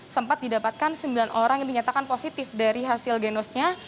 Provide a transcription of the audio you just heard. sempat didapatkan sembilan orang yang dinyatakan positif dari hasil genosnya